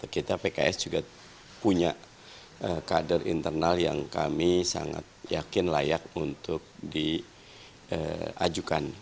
kita pks juga punya kader internal yang kami sangat yakin layak untuk diajukan